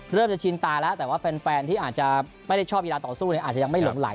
จะชินตาแล้วแต่ว่าแฟนที่อาจจะไม่ได้ชอบกีฬาต่อสู้เนี่ยอาจจะยังไม่หลงไหล